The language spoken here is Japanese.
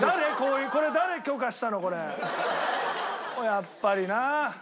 やっぱりな。